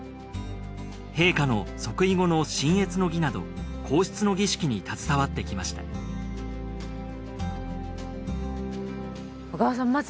陛下の即位後の親謁の儀など皇室の儀式に携わってきました小川さん